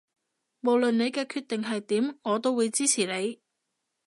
無論你嘅決定係點我都會支持你